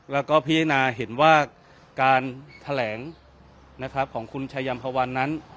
แล้วก็พินาเห็นว่าการแถลงนะครับของคุณชายยำภาวานนั้น